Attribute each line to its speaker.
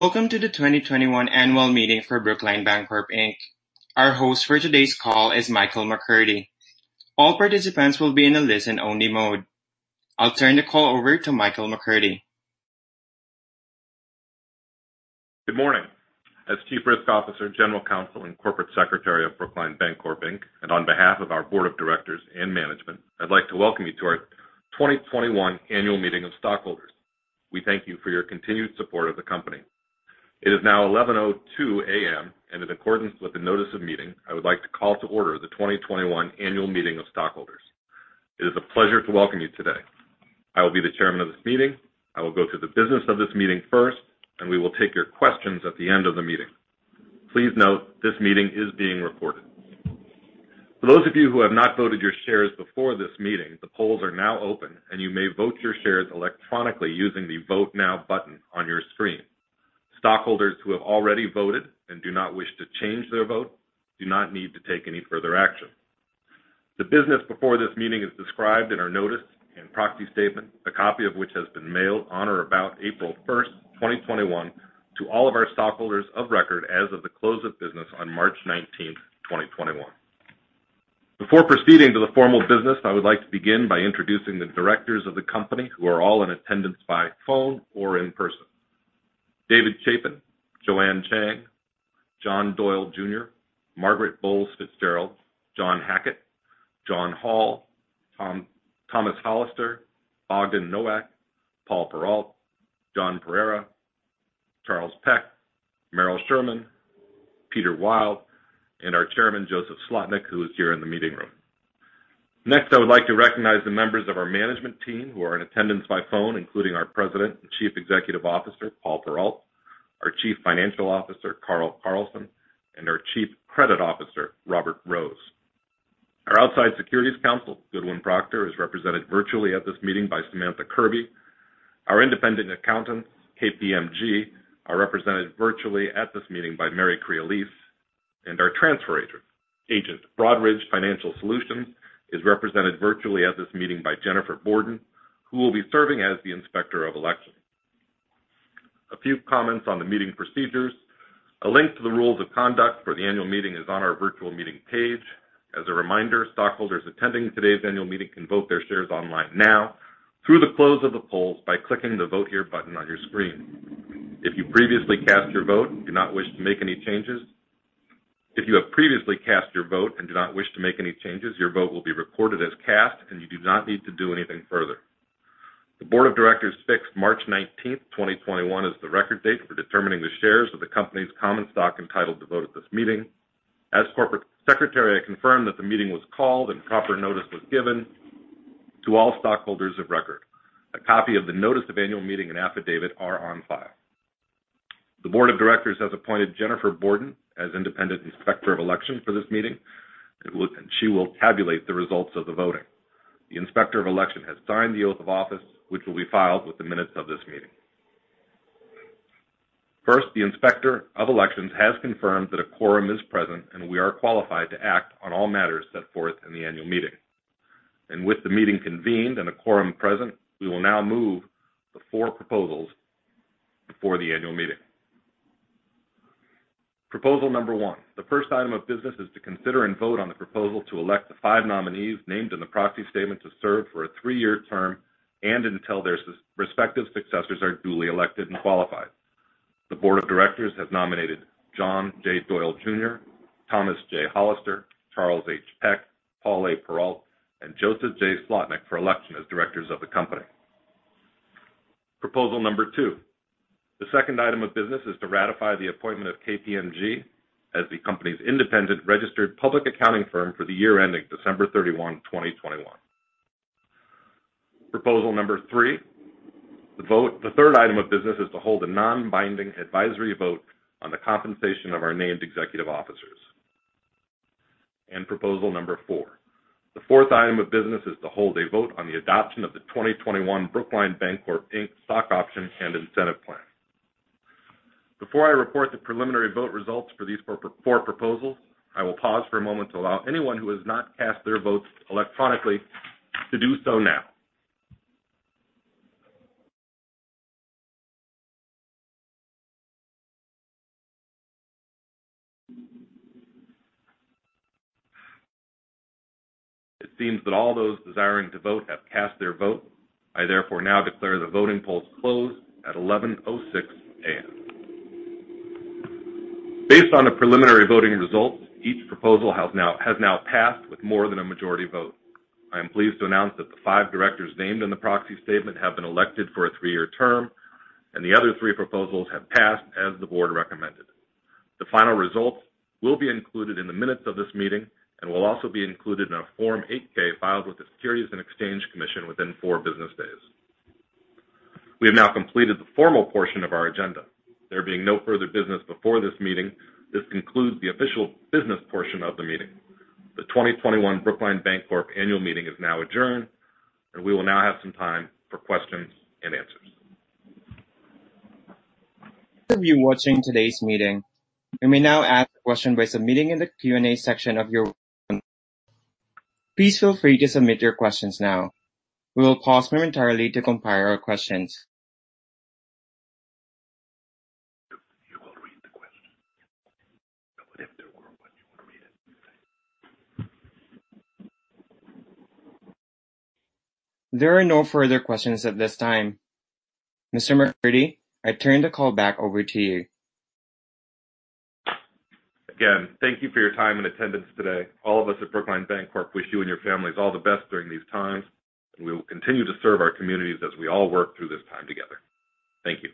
Speaker 1: Welcome to the 2021 annual meeting for Brookline Bancorp, Inc. Our host for today's call is Michael McCurdy. All participants will be in a listen-only mode. I'll turn the call over to Michael McCurdy.
Speaker 2: Good morning. As Chief Risk Officer, General Counsel, and Corporate Secretary of Brookline Bancorp, Inc., and on behalf of our board of directors and management, I'd like to welcome you to our 2021 annual meeting of stockholders. We thank you for your continued support of the company. It is now 11:02 A.M., and in accordance with the notice of meeting, I would like to call to order the 2021 annual meeting of stockholders. It is a pleasure to welcome you today. I will be the chairman of this meeting. I will go to the business of this meeting first, and we will take your questions at the end of the meeting. Please note this meeting is being recorded. For those of you who have not voted your shares before this meeting, the polls are now open, and you may vote your shares electronically using the Vote Now button on your screen. Stockholders who have already voted and do not wish to change their vote do not need to take any further action. The business before this meeting is described in our notice and proxy statement, a copy of which has been mailed on or about April 1st, 2021, to all of our stockholders of record as of the close of business on March 19th, 2021. Before proceeding to the formal business, I would like to begin by introducing the directors of the company who are all in attendance by phone or in person. David Chapin, Joanne Chang, John Doyle Jr., Margaret Boles Fitzgerald, John Hackett, John Hall, Thomas Hollister, Bogdan Nowak, Paul Perrault, John Pereira, Charles Peck, Merrill Sherman, Peter O. Wilde, and our chairman, Joseph Slotnik, who is here in the meeting room. Next, I would like to recognize the members of our management team who are in attendance by phone, including our president and chief executive officer, Paul Perrault, our chief financial officer, Carl Carlson, and our chief credit officer, Robert Rose. Our outside securities counsel, Goodwin Procter, is represented virtually at this meeting by Samantha Kirby. Our independent accountants, KPMG, are represented virtually at this meeting by Mary Crealese. Our transfer agent, Broadridge Financial Solutions, is represented virtually at this meeting by Jennifer Borden, who will be serving as the inspector of election. A few comments on the meeting procedures. A link to the rules of conduct for the annual meeting is on our virtual meeting page. As a reminder, stockholders attending today's annual meeting can vote their shares online now through the close of the poll by clicking the Vote Here button on your screen. If you previously cast your vote and do not wish to make any changes, your vote will be recorded as cast, and you do not need to do anything further. The Board of Directors fixed March 19th, 2021, as the record date for determining the shares of the company's common stock entitled to vote at this meeting. As Corporate Secretary, I confirm that the meeting was called and proper notice was given to all stockholders of record. A copy of the notice of annual meeting and affidavit are on file. The board of directors has appointed Jennifer Borden as independent inspector of election for this meeting. She will tabulate the results of the voting. The inspector of election has signed the oath of office, which will be filed with the minutes of this meeting. First, the inspector of election has confirmed that a quorum is present, we are qualified to act on all matters set forth in the annual meeting. With the meeting convened and a quorum present, we will now move the four proposals before the annual meeting. Proposal number one. The first item of business is to consider and vote on the proposal to elect the five nominees named in the proxy statement to serve for a three-year term and until their respective successors are duly elected and qualified. The board of directors has nominated John J. Doyle Jr., Thomas J. Hollister, Charles H. Peck, Paul A. Perrault, and Joseph J. Slotnik for election as directors of the company. Proposal number two. The second item of business is to ratify the appointment of KPMG as the company's independent registered public accounting firm for the year ending December 31, 2021. Proposal number three. The third item of business is to hold a non-binding advisory vote on the compensation of our named executive officers. Proposal number four. The fourth item of business is to hold a vote on the adoption of the 2021 Brookline Bancorp, Inc. Stock Option and Incentive Plan. Before I report the preliminary vote results for these four proposals, I will pause for a moment to allow anyone who has not cast their votes electronically to do so now. It seems that all those desiring to vote have cast their vote. I therefore now declare the voting polls closed at 11:06 A.M. Based on the preliminary voting results, each proposal has now passed with more than a majority vote. I am pleased to announce that the five directors named in the proxy statement have been elected for a three-year term, and the other three proposals have passed as the board recommended. The final results will be included in the minutes of this meeting and will also be included in a Form 8-K filed with the Securities and Exchange Commission within four business days. We have now completed the formal portion of our agenda. There being no further business before this meeting, this concludes the official business portion of the meeting. The 2021 Brookline Bancorp annual meeting is now adjourned, and we will now have some time for questions and answers.
Speaker 1: Those of you watching today's meeting, you may now ask a question by submitting in the Q&A section of your.. Please feel free to submit your questions now. We will pause momentarily to compile our questions. There are no further questions at this time. Mr. McCurdy, I turn the call back over to you.
Speaker 2: Thank you for your time and attendance today. All of us at Brookline Bancorp wish you and your families all the best during these times, and we will continue to serve our communities as we all work through this time together. Thank you.